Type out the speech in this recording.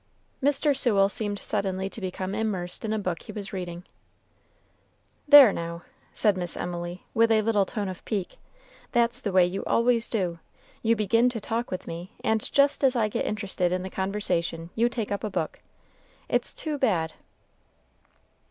Mr. Sewell seemed suddenly to become immersed in a book he was reading. "There now," said Miss Emily, with a little tone of pique, "that's the way you always do. You begin to talk with me, and just as I get interested in the conversation, you take up a book. It's too bad."